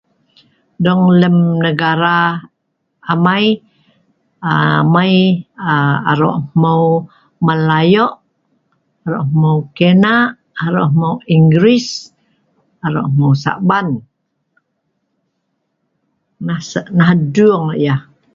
Dong lem negara amai ,amai aro' hmeu melayok, aro' hmeu kina, aro' hmeu ingris, aro' hmeu saban, nah duung aa' yah